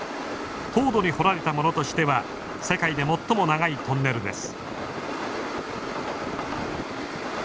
凍土に掘られたものとしては世界で最も長いトンネルです。